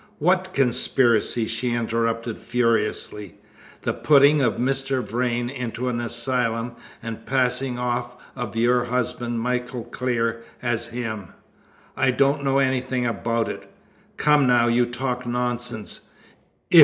"What conspiracy?" she interrupted furiously. "The putting of Mr. Vrain into an asylum, and the passing off of your husband, Michael Clear, as him." "I don't know anything about it." "Come, now, you talk nonsense!